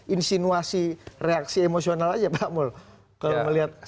atau hanya insinuasi reaksi emosional saja pak muldo